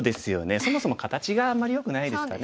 そもそも形があんまりよくないですかね。